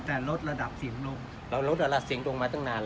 แต่ลดระดับเสียงลง